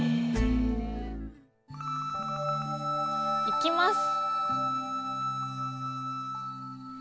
いきます！